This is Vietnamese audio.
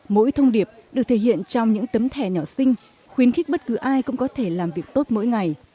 mỗi thông điệp được thể hiện trong những tấm thẻ nhỏ sinh khuyến khích bất cứ ai cũng có thể làm việc tốt mỗi ngày